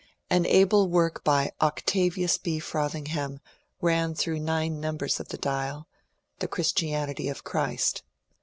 An able work by Octa vius B. Frothingham ran through nine numbers of the ^^ Dial," — "The Christianity of Christ."